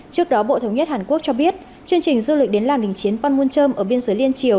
trước đó bộ thống nhất hàn quốc cho biết chương trình du lịch đến làng đình chiến panmunjom ở biên giới liên triều